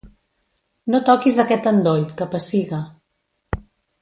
No toquis aquest endoll, que pessiga.